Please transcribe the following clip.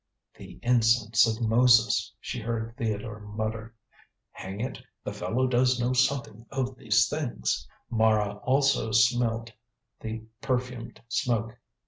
"The incense of Moses," she heard Theodore mutter; "hang it, the fellow does know something of these things!" Mara also smelt the perfumed smoke.